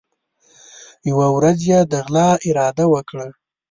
یوه ورځ یې د غلا اراده وکړه.